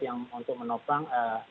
yang untuk menopang